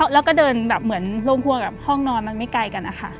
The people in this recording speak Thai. แล้วก็เดินแบบเหมือนโรงครัวกับห้องนอนมันไม่ไกลกันนะคะ